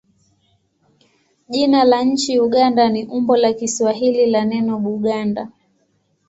Jina la nchi Uganda ni umbo la Kiswahili la neno Buganda.